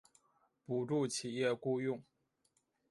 补助企业雇用